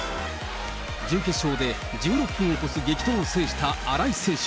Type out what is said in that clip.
準決勝で１６分を超す激闘を制した新井選手。